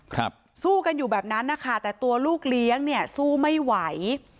สู้กันอยู่แบบนั้นนะคะแต่ตัวลูกเลี้ยงเนี่ยสู้ไม่ไหว